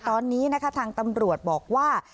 ตอนนี้นะคะทางตำรวจบอกว่า